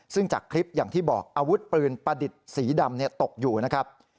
ซึ่งจากคลิปอย่างที่บอกอาวุธปืนประดิษฐ์สีดำตกอยู่นะครับ